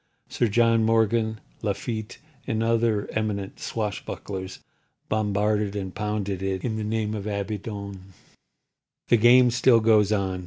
Sir John Morgan, Lafitte and other eminent swash bucklers bombarded and pounded it in the name of Abaddon. The game still goes on.